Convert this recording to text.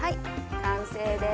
完成です。